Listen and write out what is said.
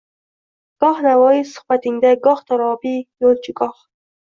Goh Navoiy suhbatingda, goh Torobiy, Yo’lchi goh